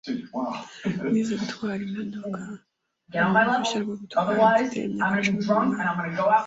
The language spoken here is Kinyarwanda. Nize gutwara imodoka mbona uruhushya rwo gutwara mfite imyaka cumi n'umunani.